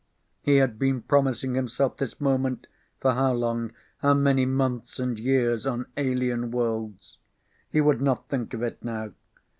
He had been promising himself this moment for how long how many months and years on alien worlds? He would not think of it now.